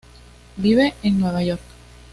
Vive en Nueva York.